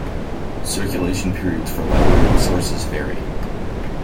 Circulation periods for library resources vary.